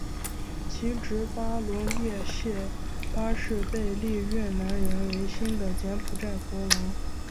其侄儿巴龙列谢八世被立越南人为新的柬埔寨国王。